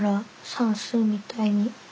算数みたいに。